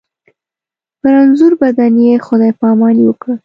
په رنځور بدن یې خدای پاماني وکړه.